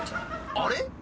あれ？